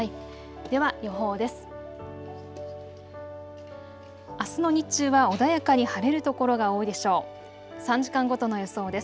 では予報です。